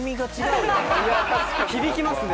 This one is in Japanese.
響きますね。